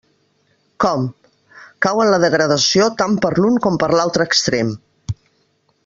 Com!, cau en la degradació tant per l'un com per l'altre extrem!